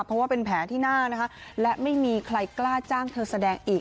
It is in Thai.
เพราะว่าเป็นแผลที่หน้านะคะและไม่มีใครกล้าจ้างเธอแสดงอีก